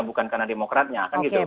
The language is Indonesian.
bukan karena demokratnya